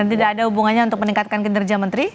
dan tidak ada hubungannya untuk meningkatkan kinerja menteri